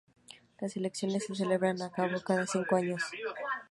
Las elecciones se celebran a cabo cada cinco años.